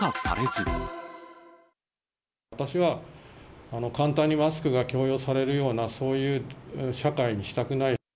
私は、簡単にマスクが強要されるような、そういう社会にしたくない。